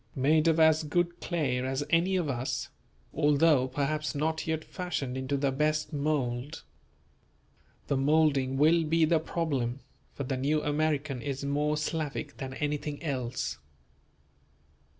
Made of as good clay as any of us, although perhaps not yet fashioned into the best mould. The moulding will be the problem; for the New American is more Slavic than anything else.